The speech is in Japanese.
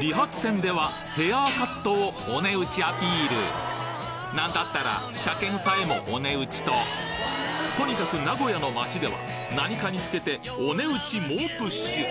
理髪店ではヘアーカットをお値打ちアピール何だったら車検さえもお値打ちととにかく名古屋の街では何かにつけてお値打ち猛プッシュ！